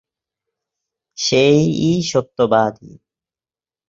সেই-ই Satyabati.